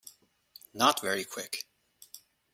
Not very quick.